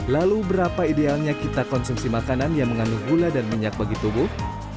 lalu berapa idealnya kita konsumsi makanan yang mengandung gula dan minyak bagi tubuh